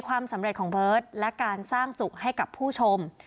ความสำเร็จของเบิร์ตและการสร้างสุขให้กับผู้ชม